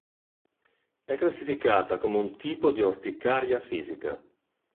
È classificata come un tipo di orticaria fisica.